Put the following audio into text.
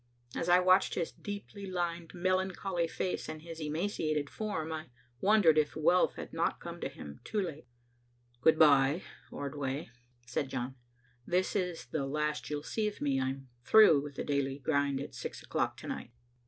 As I watched his deeply lined, melancholy face and his emaciated form, I wondered if wealth had not come to him too late. "Good bye, Ordway," said John. "This is the last you'll see of me. I'm through with the daily grind at six o'clock to night."